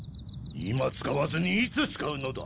今使わずにいつ使うのだ。